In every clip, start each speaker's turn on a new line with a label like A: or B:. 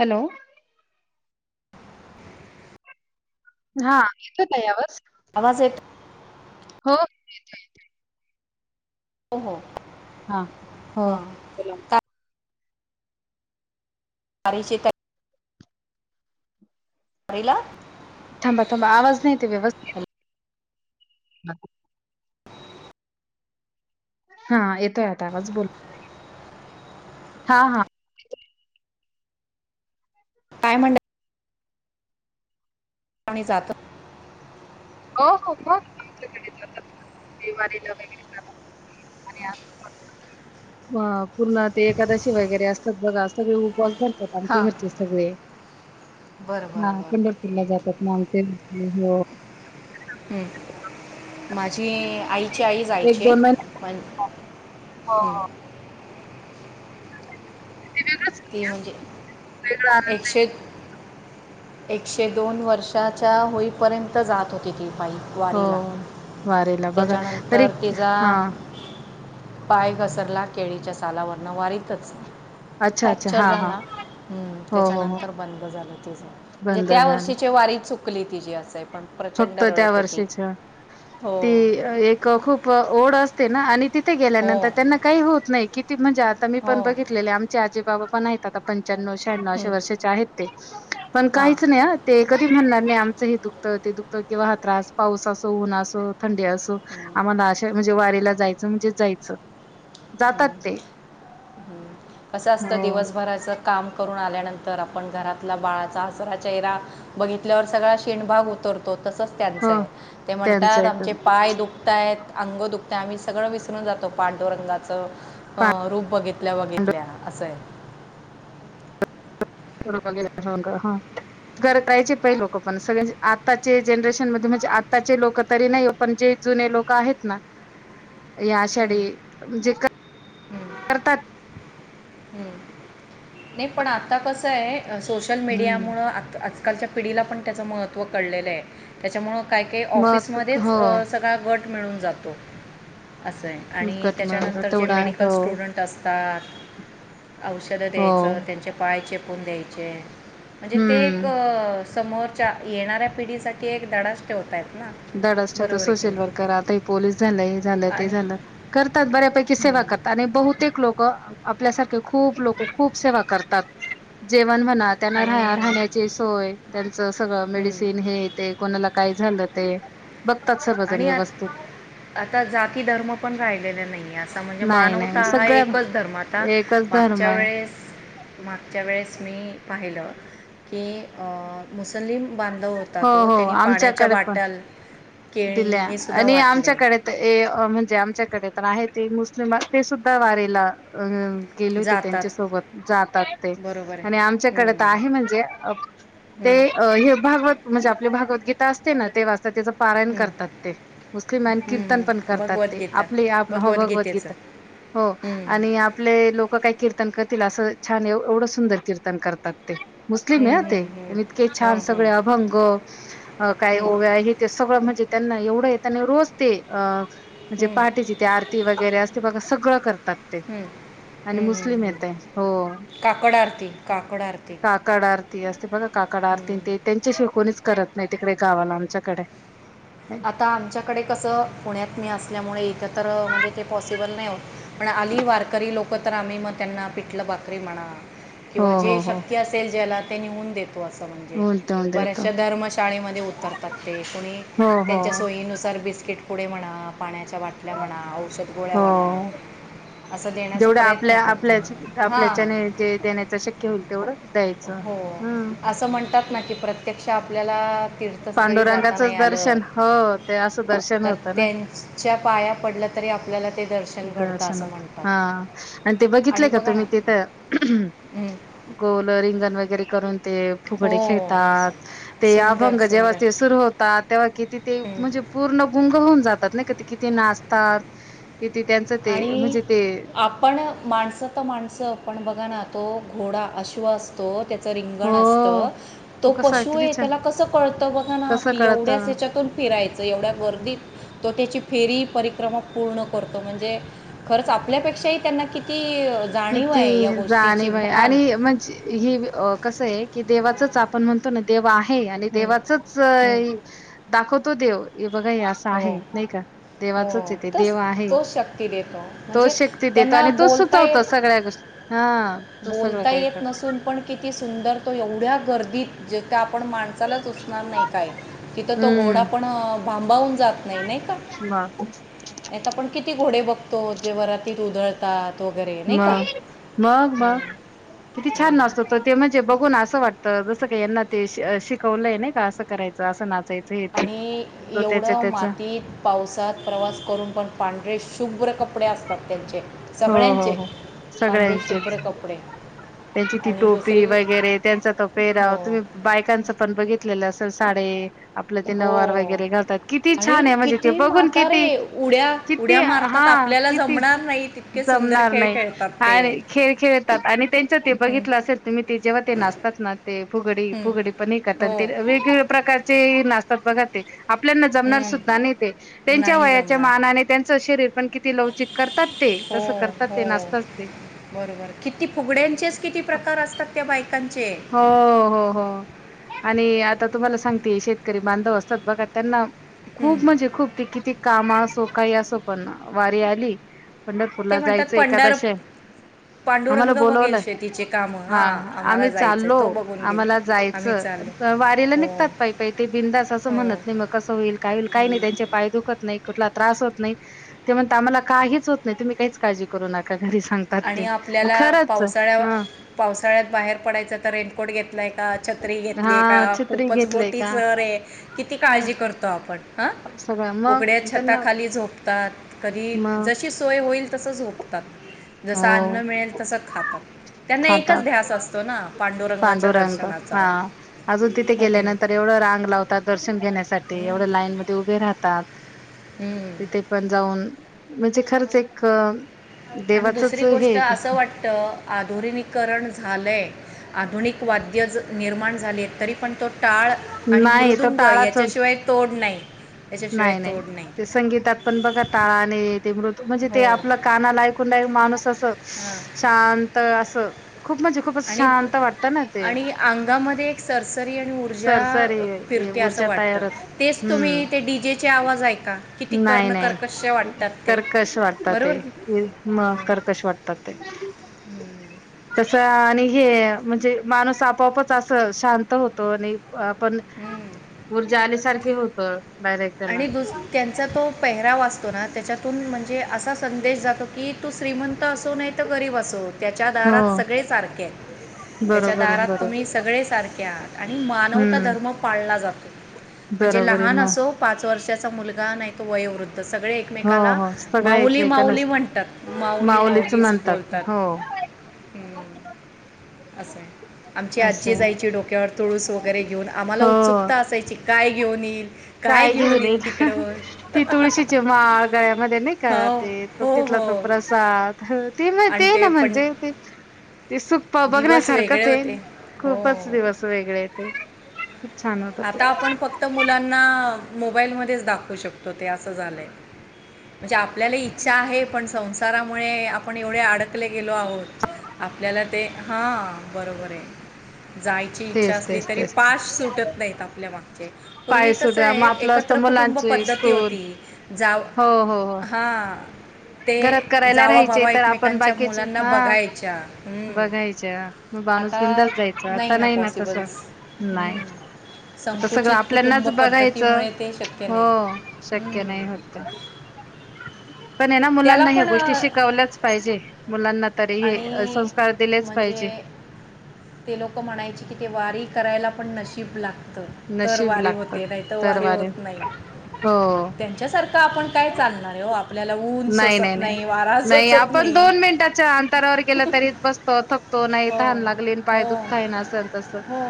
A: Hello हा येतच यावस
B: आवाज येत
A: येतोय येतोय
B: हो हो
A: हा हो
B: हां काय [unintelligible] [unintelligible]
A: थांबा थांबा आवाज नाही येताहाय व्यवस्थित.
B: हॅलो.
A: [inaudible] हा येतोय आता आवाज बोल. हा हा
B: काय म्हणालात मी जातो
A: [unintelligible] पुन्हा ते एकादशी वगैरे असते. असत्यात बगा सगळे उपवास धर आमचे
B: हां
A: घरचे सगळे
B: बरं
A: हा
B: बरं बरं
A: पंढरपूरला जातात ना आमचे... [unintelligible]
B: हम्म माझे जे आईचे आई
A: एक
B: जायची आहे
A: दोन महिने
B: पण
A: हो हो
B: ती म्हणजे
A: वेगळा आनंद
B: एकशे एक एकशे दोन वर्षाच्या होईपर्यंत जात होती ती. पायी
A: हो
B: वारीला
A: वारीला बघा तरी
B: त्याच्यानंतर तिचा
A: हा.
B: पाय घसरला केळीच्या सालावरन वारीत तच
A: अच्छा अच्छा
B: फॅक्चर
A: हा हा
B: झाला हुं
A: हो हो हो
B: त्याच्यानंतर बंद झालं ते म्हणजे
A: बंद
B: त्या
A: झालं
B: वर्षीचे वारी चुकली. ती जे असायप
A: फक्त त्या वर्षीच्या.
B: हो
A: ती अ एक अ खूप ओढ अस् ते ना, आणि ते ते
B: हो
A: गेल्यानंत त्यांना काही होत नाही. किती म्हणजे आता मी
B: हो
A: पण बघितलेले आमचे आजी बाबा पण नाहीत आता पण् च्यानऊ-शहानऊ असे
B: हम्म,
A: वर्षाचे आहेत ते. पण
B: हां
A: काहीच नाही आ ते कधी म्हणणार नाही आमचं हे दुःख तं ते दुखतं किंवा हा त्रास, पाऊस असो, ऊन्ह आसो. थंडी असो,
B: हम्म,
A: आम्हाला अशा म्हणजे वारीला जायचं म्हणजे जायचं. जातात
B: हम्म,
A: ते
B: हम्म. असं
A: हो
B: असतं दिवसभराचं काम करून आल्यानंतर आपण घरातला बाळचा हसरा चेहरा बघितल्यावर सगळा शेंड भाग उतरतो. तसंच
A: हो
B: त्यांचं आहे. ते
A: त्यांचं
B: म्हणतात
A: एक
B: आमचे पाय दुखताहेत. अंगो दुखत्या आम्ही सगळं विसरून जातो. पांडुरंग चं, रूप अं बघितल्या बघितल्या असंय.
A: वीडो कॉल गेले हां का, हं जर तयचे पही लोकं पण सगळे आत्ताचे जनरेशन मध्ये म्हणजे आताचे लोकं तरी नाही आ पण जे जुने लोकं आहेत ना या आषाढी
B: हम्म,
A: जे क
B: हम्म,
A: [inaudible] करतात.
B: हम्म. नाही पण आता कसं आय सोशल मीडियामुळं आत् आज कालच्या पिढीला पण त्याच महत्त्व कळलेलं आहे. त्याच्यामुळ काय काही
A: मग
B: ऑफिसमध्येच
A: हो
B: अं सगळा गड मिळून जातो. असं आय, आणि
A: गट मिळून
B: त्याच्यानंतर जे
A: तेवढा आहे
B: मेडिकल
A: हो
B: स्टुडंट असतात औषधं
A: हो
B: द्यायचं. ते त्यांच्या पायाचे कून द्यायचे. म्हणजे ते एक
A: हम्म
B: समोरच्या येणाऱ्या पिढीसाठी एक दडाश ठेवताएत.
A: दडच ठेवते सोशल वर्कर आता ए पोलीस झाला हेत. झालं ते
B: आणि
A: झालं. करतात बऱ्यापैकी सेवा करतात
B: हं.
A: आणि बहुतेक लोकं आ आपल्यासारे खूप लोकं खूप सेवा करतात. जेव पण म्हणा त्यांना
B: आणि
A: राह राहण्याची सोय, त्यांच सगळं
B: हं.
A: मेडिसिन, हे ते कोणाला काय झालं [inaudible] सर्वजण
B: आणि आत
A: व्यवस्थित
B: आता जाती धर्म पण राहिलेले नाही. असं म्हणजे
A: नाही
B: मानवता
A: नाही
B: हा
A: सगळ्या
B: एकच धर्म आता
A: एकच धर्म
B: मागच्या
A: आहे
B: वेळेस मागच्या वेळेस मी पाहिलं. ते अ कुस जलीम बांधव होत
A: हो
B: तो
A: हो
B: त्यांनी पाण्याच्या
A: आमच्याकडे पण
B: बाटल केळी
A: दिल्या
B: हे सुद्धा
A: आणि
B: वाटले
A: आमच्याकडे ऐ अ म्हणजे आमच्या आमच्या कडे तर आहे ते मुस्लिम ते सुद्धा वारेला अं गेलेो होते
B: जातात
A: त्यांच्या सोबत जातात ते
B: बरोबर
A: आणि
B: आहे
A: आमच्याकडे तर
B: हं,
A: आहे म्हणजे अ ते
B: हं,
A: अ हे. भत म्हणजे आपली भागवगीता असते ना ते वात त्याच. पारायण
B: हं,
A: करतात ते मुस्लिम
B: हं,
A: कीर्तन पण
B: हं.
A: करतात ते
B: भगवद्गीता
A: आपली आप हो
B: भगवद्गीतेचं
A: भगवद्गीता हो
B: हं,
A: आणि आपले लोक काही कीर्तन करतील असं. छान ए वो एवढं सुंदर कीर्तन करतात. मुस्लिम
B: हं,
A: हे ते
B: हं, हं.
A: इतके छान
B: हं,
A: सग
B: हं,
A: अभंग अ
B: हं,
A: काय ते सगळं म्हणजे. त्यांना एवढं त्यांना रोजते अ. म्हणजे
B: हं,
A: पहाटची ते आरती वगैरे असते बघा सगळं करतात ते
B: हं, हं,
A: आणि
B: हं,
A: मुस्लिम
B: हं.
A: हेते हो
B: काकड आरती काकड आरती
A: काकड आरती असते बघा काकड आरती.
B: हं.
A: त्या शिवाय कोणीच करत नाही तिकडे गावाला आमच्याकडे.
B: आता आमच्याकडे कसं पुण्यात मी अस. ल्यामुळे इकत तर म्हणजे ते पॉसिबल नाही होत. पण आली वारकरी लोकं तर आम्ही मग त्यांना पिठलं बाकरी म्हणा.
A: हो
B: किंवा
A: हो
B: जे
A: हो
B: शक्ती असेल. ज्याला ते निऊून देतो असं म्हणजे.
A: होऊन देऊन देतो
B: बऱ्याचशा धर्मशाळेमध्ये उतरतात ते कोणी?
A: हो हो
B: त्यांच्या सोयीनुसार बिस्किट. पुडे म्हणा. पाण्याच्या बाटल्या म्हणा औषध गोळ्या म्हणा.
A: हो.
B: असं देण्याचा
A: जेवढं
B: प्रयत्न
A: आपल्या
B: करतो.
A: आपल्या
B: म हां.
A: आपल्याच्याने जे देण्याचं शक्य होईल तेवढं द्यायचं.
B: हो
A: हम्म
B: असं म्हणतात ना की प्रत्ये प्रत्यक्षा आपल्याला. तीर्थस्थळी जाता
A: पांडुरंगाचंच
B: नाही. आलं
A: दर्शन हो ते असं दर्शन
B: तर
A: होतं ना
B: त्यांच्या पाया पडल्या तरी आपल्याला. ते दर्शन घडतं असं
A: दर्शनात हा
B: म्हणतात
A: आणि ते बघितले का
B: बघा ना
A: तुम्ही तिथं
B: हं.
A: गोल रिंगण वगैरे करून. ते फुगडे
B: हो
A: खेळतात ते
B: सुंदर
A: अभंग जेव्हा
B: सुंदर
A: ते सुरू होतात तेव्हा कीती ते
B: हं.
A: म्हणजे पूर्ण गुंग होऊन जात. तर नाई का किती नाचतात. किती त्यांचं ते
B: आणि
A: म्हणजे ते
B: आपण माणसं तर माणसं पण बघा ना् तो घोडा अश्वासतो त्याचं
A: हो
B: रिंगण असतं तो
A: कसा
B: पशू
A: किती
B: आहे.
A: छान
B: त्याला कसं कळतं बघा ना
A: कसं
B: की एवढ्याच
A: कळतं
B: त्याच्यातून फिरायचं एवढ्या गर्दीत तो त्याची फेरी? परिक्रमा पूण करतो म्हणजे? म्हे खरंच आपल्यापेक्षाही त्यांना किती जाणीव
A: किती
B: आहे या
A: जाणे
B: गोष्टीची
A: म्ह
B: भान
A: आणि म्हणजे ह. कस आहे की देवाचच आपण म्हणतो. ना देव आहे. हे आणि
B: हं,
A: देवाचच
B: हं.
A: दाखव. तो देऊ हे बघा असं
B: हो,
A: आहे नाही का
B: हो.
A: देवाचच येते
B: तोच
A: देव आहे
B: तोच शक्ती देतो. म्हणजे
A: तोच शक्ती देत
B: त्यांना
A: आणि तो
B: बोलता येत
A: सुचवत. [unintelligible]
B: बोलता येत नसून पण किती सुंदर तो एवढ्या गर्दीत ज तर आपण माणसालाच उसणार नाही काय तिथं तो घोडा
A: हम्म
B: पण पाांबाऊून [unintelligible] जात नाही नाही का
A: मग
B: नाही तर आपण किती घोडे बघतो. तो जे वरातीत उधळतात. तो वगैरे आहे नाही का.
A: म
B: हं,
A: किती
B: हं.
A: छान नाचतत ते म्हणजे ते बघून असं वाटतं जसं का यां ते शिकवलंय नाही का असं करायचं असं नाच
B: आणि एवढं मातीत पावसात प्रवास करून पण पांढरे शुभ्र कपडे असतात. सत्य्यांचे
A: हो हो हो सगळ्यांचीच
B: शुभ्र कपडे
A: त्यांची ती
B: आणि
A: टोपी
B: दुसरी
A: वगैरे त्यांचा त
B: हो
A: पेराव तुम्ही बायकांच पण बघितलेलं असेल. साडे आपलं ते
B: हो
A: नवार वगैरे घालतात किती
B: आणि
A: छान आहे म्हणजे ते
B: किती
A: बघून
B: म्हातारे
A: किती
B: उड्या
A: किती
B: उड्या
A: हा
B: मारतात आपल्याला
A: किती
B: जमणार नाही तितके सुंदर
A: जमणार
B: खेळ
A: नाही
B: खेळतात ते
A: आणि खेळ खेळतात आणि त्यांच ते
B: हं,
A: बघितलं असेल तुम्ही ते जेव्हा ते नाचतात ना ते फुगडी
B: हं,
A: फुगडी पण हे करत आणि
B: हो
A: ते वेगवेग प्रकारचे नास्तात बघ ते. आपल्याना जमणार
B: हं,
A: सुद्धा नाही ते त्यांच्या
B: नाही
A: वयाच्या
B: जमणार
A: मानाने त्यांचं शरीर पण किती लवचिक करतात ते.
B: हो
A: तसं करतात
B: हो
A: ते नाचतात ते
B: बरोबर किती फुगड्यांचेच किती प्रकार असतात त्या बाईक.
A: हो हो हो आणि आणि आता तुम्हाला सांगते शेतकरी बांधव असतात बघा त्यांना
B: हं,
A: खूप म्हजे खूप ते किती काम असो काही असो पण वारी आली
B: ते
A: पंढरपूरला
B: म्हणतात
A: जायचं
B: पंढर
A: एकादशी आहे आम्हाला
B: पांडुरंग बगेल शेतीचे काम हा आम्हाला जा
A: चालो आम्हाला जायचं वारीला
B: हो
A: निघतात पाई पाई ते बिंदास असं
B: हो
A: म्हणत नाही मग कसं होईल काय होईल काही नाही
B: हं.
A: त्यांचे पाय दुखत नाही कुठला त्रास होत नाही ते म्हणता आम्हाला काहीच होत नाही, तुम्ही काहीच काळजी करू नका. घरी सांगतात
B: आणि
A: ते
B: आपल्याला
A: खरंच
B: पावसाळ्या
A: हा
B: पावसाळ्यात बाहेर पडायचं तर एक कोट घेतलाये का छत्री
A: हा
B: घेतली का
A: छत्री
B: खूपच
A: घेतलंय
B: मोठी
A: का
B: चरे किती काळजी करतो आपण हं,
A: सगळं
B: उघड्या
A: मग त्यांना
B: छताखाली झोपतात, कधी
A: मग
B: जशी सोय होईल तसं झोपतात. जसं अन्न
A: हो
B: मिळेल तसं खातात त्यांना एकच ध्यास
A: खातात
B: असतो ना पांडुरंगाच्या
A: पांडू रंग
B: दर्शनाचा
A: हा अजून तिथे
B: हो की नाही
A: गेल्यानंतर एवढ रांग लावतात दर्शन गेल्या तात ते
B: हम्म.
A: एवढे लाईन म उभे राहात तात.
B: हम्म.
A: तिथे पण जाऊन म्हणजे खरंच एक अ देव
B: आणि दुसरी गोष्ट असं वाटतं आधुरीनिकरण झालंय. आधुनिक वाद्य निर्माण झाले तरी पण तो टाळ आणि
A: नाही तो
B: मृदुंग
A: टाळाचच
B: याच्याशिवाय तोड नाहीत.
A: नाही नाही ते संगीतात पण बघा टाळाने ते मृत म्हणजे
B: हो
A: ते आपला कानालाऐकून डारेक माणूस असं
B: हां
A: शांत अस ह.
B: आणि आणि अंगामध्ये एक सरसरी आणि ऊर्जा अ
A: सरसरी
B: फिरते असं
A: ऊर्जा
B: वाटत
A: तयार होते.
B: तेच तुम्ही ते
A: हम्म
B: डीजे
A: नाही नाही
B: वाटतात ते
A: कर्कश वाटतात ते,
B: बरोबर की
A: म
B: मग
A: कर्कश वाटतात ते.
B: हम्म.
A: आणि हे म्हणजे माणूस आपोआपच अस शांत होतो, आणि पण
B: हम्म.
A: ऊर्जा आल्यासारख होत. डायरेक्ट त्याला
B: आणि दुस त्यांचा तो पेहरावा अस तो ना त्याच्यातून म्हणजे असा संदेश जातो की तू श्रीमंत असो नाही तर गरीब असोत. त्याच्या दारात
A: हो
B: सगळे सारखे, त्याच्या
A: बरोबर आहे
B: दारात
A: बरोबर
B: तुम्ही सगळे सारखे आहात आणि मानवता
A: हम्म
B: धर्म पाळला जातो, म्हणजे
A: बरोबर आहे
B: लहान
A: मग
B: असो पाच वर्षाचा मुलगा नाही त वयोवृद्ध सगळे
A: हो
B: एकमेकाला
A: हो सगळे
B: माऊली
A: एकमेकांना
B: माऊली म्हणतात, माऊली माऊलीच
A: म्हणतात ते
B: बोलतात.
A: हो
B: हम्म. असंय आमची आजी
A: असं
B: जायची डोक्यावर तुळूस वगैरे घेऊन आम्हाला उत्सुकता असायची काय घेऊन येईल काय
A: काळ घी हो
B: घेऊन
A: दे
B: येईल तिकडं
A: ती तुळशीची माळ गळ्यामध्ये नाही का
B: हो
A: ते तो
B: हो
A: तिथला
B: हो
A: तो प्रसाद ते
B: आणि
A: ते ना
B: पण
A: म्हणजे ते ते सुप्पा
B: दिवस
A: बघण्यासारखंच
B: वेगळे
A: ये
B: होते हो
A: खूपच दिवस वेगळे ते खूप छान होत
B: आता
A: ते.
B: आपण फक्त मुलांना मोबाईलमधेच दाखवू शकतो ते असं झालंय म्हणजे आपल्याला इच्छा आहे पण संसारामुळे आपण एवढे अडकले गेलो आहोत आपल्याला ते हा बरोबर आहे जायची इच्छा
A: तेच
B: असली
A: तेच
B: तरी
A: तेच
B: पाच सुटत ल्या माग पूर्वी
A: पाय
B: कस
A: सुद्धा
B: आहे
A: मग आपलं असतं
B: एकत्र कुटुंब
A: मुलांचे
B: पद्धती
A: स्कूल
B: होती जा
A: हो हो हो
B: हा ते
A: घरात करायला
B: जावा
A: राहायचे
B: भावा
A: तर आपण
B: एकमेकांच्या
A: बाकीचे
B: मुलांना
A: हा
B: बघायच्या हम्
A: बघायच्या मग बाणूस
B: आता
A: बिंदास जायचा आता नाही ना तस नाही आता सगळं
B: संकुचित कुटुंब
A: आपल्यानाच बघायचं
B: पद्धतीमुळे ते शक्य
A: हो
B: नाही
A: शक्य
B: हम्म.
A: नाही होत पण हे ना
B: त्याला
A: मुलांना ह्या
B: पण
A: गोष्टी
B: अ,
A: शिकवल्याच पाहिजे मुलांना तरी हे
B: आणि
A: संस्कार दिलेच
B: म्हणजे
A: पाहिजे
B: ते लोक म्हणा ते वारी करायला पण नशीब लागते तर
A: नशीब
B: वारी
A: लागत
B: होते नाही तर वारी
A: तरवारी
B: होत नाही
A: हो
B: त्यांच्यासारखं आपण काय चालणार आहे हो आपल्या
A: नाही नाही नाही नाही आपण दोन मिनटाच्या
B: हो
A: तहान लागली
B: हो
A: पाय दुखताय ना असं तसं
B: हो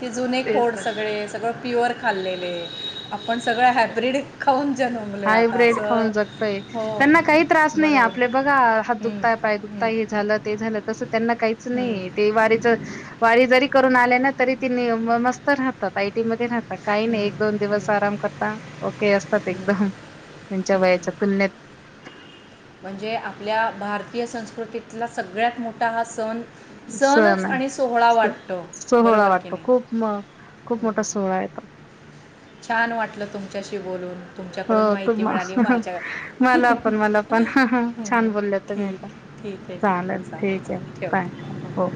B: ते जुने
A: तेच
B: खोड
A: तर
B: सगळे सगळं प्युअर खाल्ले आपण सगळे हायब्रीड खाऊन जन्मलो आहे आता
A: हायब्र्रीड
B: असं
A: खाऊन जगतय
B: हो
A: त्यांना काही त्रास नाही
B: बरोबर
A: आपले बघा हात
B: हं,
A: दुखतायहि दुखता ता
B: हं,
A: हे झालं ते झालं तस त्यांना काहीच
B: हं, हं,
A: नाही ते वारीच वारी जरी करून आले ना तरी त मस्त राहतात आयटी म राहत आता काही नाही
B: हं,
A: एक दोन दिवस आराम करता ओके अस त
B: हं,
A: एकदम त्यांच्या
B: हं.
A: वयाच्या तुलनेत
B: म्हणजे आपल्या भारतीय संस्कृतीतला सगळ्यात मोठा हा सण
A: सण
B: सणच
A: आहे
B: आणि सोहळा
A: स
B: वाटतो
A: सोहळा
B: बरोबर की
A: वाटतो
B: नाही
A: खूप खूप मोठा
B: हं.
A: सोहळा य तो
B: छान वाटलं तुमच्याशी बोलून
A: हो
B: तुमच्याकडून
A: तु
B: माहिती मिळाली माझ्या
A: मला पण मला पण
B: हं,
A: छान बोलले तुम्ही
B: ठीक
A: प
B: ठीक आहे ठीक
A: चालेल
B: आहे
A: ठीक
B: चालेल
A: आहे काय हो
B: ठेवते
A: हो